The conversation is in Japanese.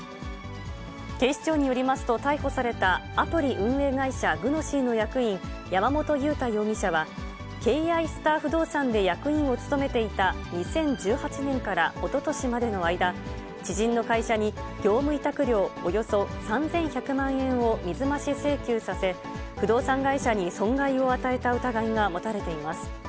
警視庁によりますと、逮捕されたアプリ運営会社、グノシーの役員、山本裕太容疑者は、ケイアイスター不動産で役員を務めていた２０１８年からおととしまでの間、知人の会社に業務委託料、およそ３１００万円を水増し請求させ、不動産会社に損害を与えた疑いが持たれています。